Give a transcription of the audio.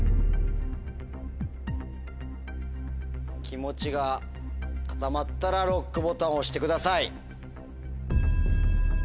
気持ちが固まったらＬＯＣＫボタン押してください。